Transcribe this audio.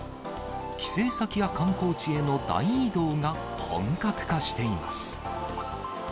帰省先や観光地への大移動が本格化しています。